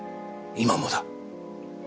今もだ。